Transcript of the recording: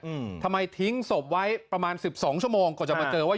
อืมทำไมทิ้งศพไว้ประมาณสิบสองชั่วโมงกว่าจะมาเจอว่า